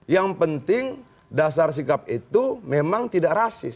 yang penting dasar sikap itu memang tidak rasis